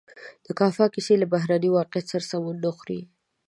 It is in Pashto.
د کافکا کیسې له بهرني واقعیت سره سمون نه خوري.